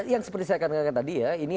yang seperti saya katakan tadi ya